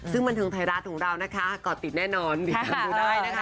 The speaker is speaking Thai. ซึ่งบรรทางไทยรัฐของเรานะคะกอดติดแน่นอนเดี๋ยวดูได้นะคะ